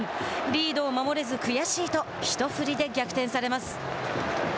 「リードを守れず悔しい」と一振りで逆転されます。